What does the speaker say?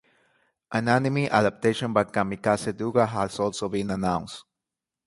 An anime adaptation by Kamikaze Douga has also been announced.